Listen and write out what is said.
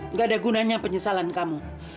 nggak ada gunanya penyesalan kamu